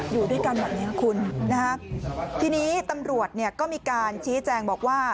อยู่ด้วยกันแบบนี้คุณนะฮะทีนี้ตำรวจเนี่ยก็มีการชี้แจงบอกว่า